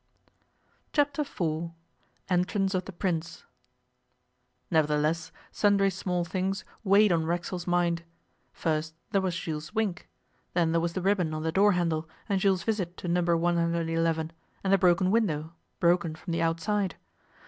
Chapter Four ENTRANCE OF THE PRINCE NEVERTHELESS, sundry small things weighed on Racksole's mind. First there was Jules' wink. Then there was the ribbon on the door handle and Jules' visit to No. 111, and the broken window broken from the outside.